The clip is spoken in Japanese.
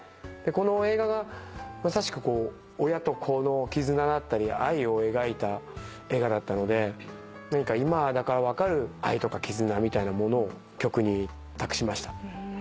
この映画がまさしく親と子の絆だったり愛を描いた映画だったので今だから分かる愛とか絆みたいなものを曲に託しました。